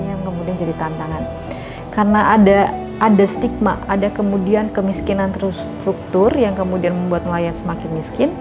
yang kemudian jadi tantangan karena ada stigma ada kemudian kemiskinan terstruktur yang kemudian membuat nelayan semakin miskin